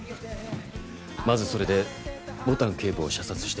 まずそれで牡丹警部を射殺して。